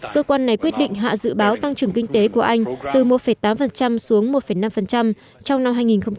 cơ quan này quyết định hạ dự báo tăng trưởng kinh tế của anh từ một tám xuống một năm trong năm hai nghìn hai mươi